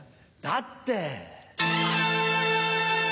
だって。